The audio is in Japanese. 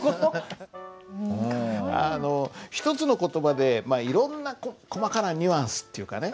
あの一つの言葉でいろんな細かなニュアンスっていうかね